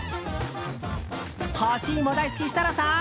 干し芋大好き設楽さん！